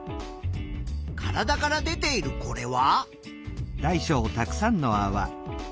体から出ているこれは？